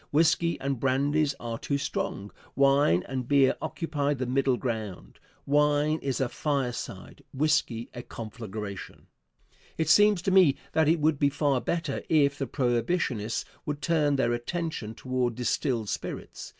Whisky and brandies are too strong; wine and beer occupy the middle ground. Wine is a fireside, whisky a conflagration. It seems to me that it would be far better if the Prohibitionists would turn their attention toward distilled spirits.